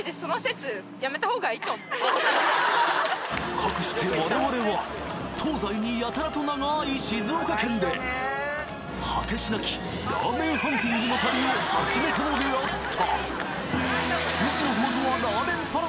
かくして我々は東西にやたらと長い静岡県で果てしなきラーメンハンティングの旅を始めたのであった！